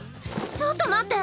ちょっと待って。